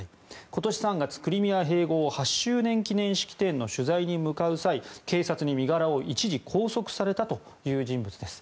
今年３月クリミア併合８周年記念式典の取材に向かう際警察に身柄を一時拘束されたという人物です。